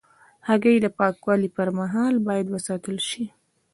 هګۍ د پاکوالي پر مهال باید وساتل شي.